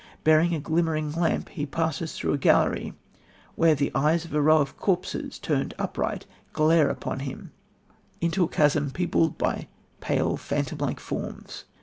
Bearing a glimmering lamp, he passes through a gallery, where the eyes of a row of corpses, buried upright, glare upon him, into a chasm peopled by pale, phantom like forms.